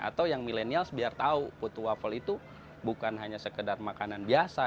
atau yang milenials biar tahu putu waffle itu bukan hanya sekedar makanan biasa